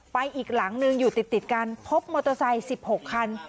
อีกหลังนึงอยู่ติดกันพบมอเตอร์ไซค์๑๖คัน